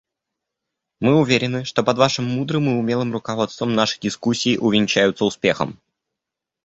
Мы уверены, что под Вашим мудрым и умелым руководством наши дискуссии увенчаются успехом.